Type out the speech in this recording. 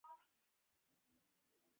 দক্ষ পাইলট হিসেবে স্বীকৃতি নিতেই পারি।